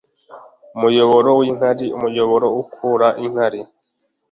umuyoboro w'inkari umuyoboro ukura inkari